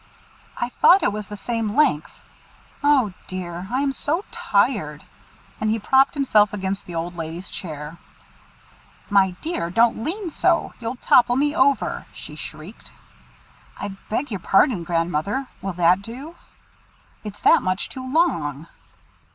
"I thought it was the same length. Oh, dear! I am so tired;" and he propped himself against the old lady's chair. "My dear! don't lean so; you'll tipple me over!" she shrieked. "I beg your pardon, Grandmother. Will that do?" "It's that much too long."